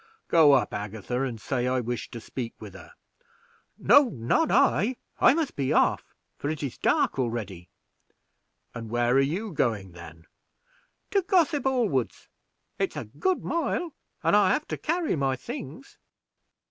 Go up, Agatha, and say I wish to speak with her." "No, not I; I must be off, for it is dark already." "And where are you going, then?" "To Gossip Allwood's. It's a good mile, and I have to carry my things."